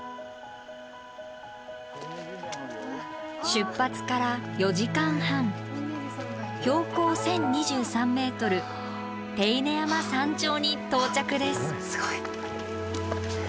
出発から４時間半標高１，０２３ｍ手稲山山頂に到着です。